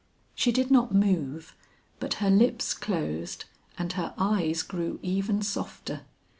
She did not move, but her lips closed and her eyes grew even softer.